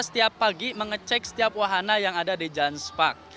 setiap pagi mengecek setiap wahana yang ada di jans park